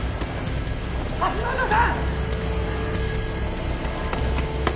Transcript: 橋本さん！